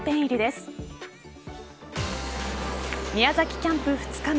キャンプ２日目。